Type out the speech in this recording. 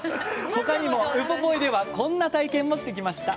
ほかにもウポポイではこんな体験もしてきました。